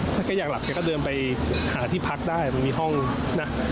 ถ้าใครอยากหลับดูแลเราก็เดินไปหาที่พักได้นะมีห้องนะ